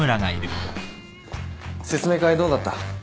説明会どうだった？